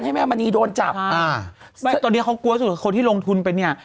ให้แม่มณีโดนจับอ่าไม่ตอนนี้เขากลัวสุดคนที่ลงทุนไปเนี่ย